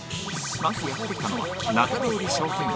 まずやって来たのは中通り商店街